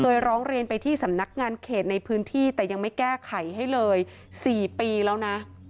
ร้องเรียนไปที่สำนักงานเขตในพื้นที่แต่ยังไม่แก้ไขให้เลย๔ปีแล้วนะ